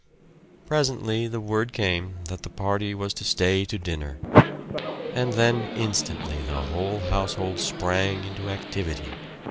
Presently the word came that the party was to stay to dinner. And then instantly the whole household sprang into activity.